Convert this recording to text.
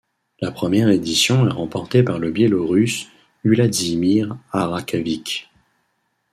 La première édition est remportée par le Biélorusse Uladzimir Harakhavik.